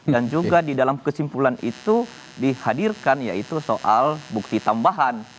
dan juga di dalam kesimpulan itu dihadirkan yaitu soal bukti tambahan